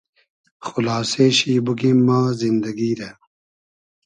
خولاسې شی بوگیم ما زیندئگی رۂ